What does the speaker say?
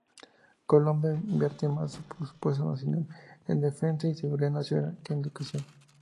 Colombia invierte más su presupuesto nacional en defensa y seguridad nacional, que en educación.